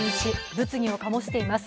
物議を醸しています。